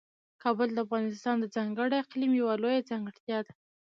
کابل د افغانستان د ځانګړي اقلیم یوه لویه ځانګړتیا ده.